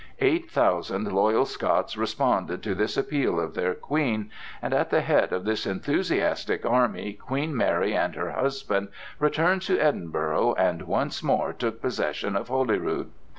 Eight thousand loyal Scots responded to this appeal of their Queen, and at the head of this enthusiastic army Queen Mary and her husband returned to Edinburgh and once more took possession of Holyrood.